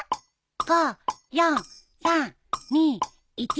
５４３２１。